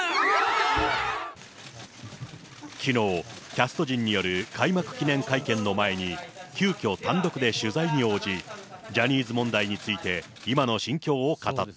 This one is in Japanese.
きのう、キャスト陣による開幕記念会見の前に、急きょ、単独で取材に応じ、ジャニーズ問題について今の心境を語った。